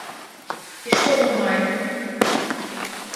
І што мы маем?